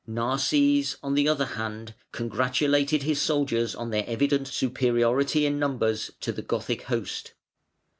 Narses, on the other hand, congratulated his soldiers on their evident superiority in numbers to the Gothic host.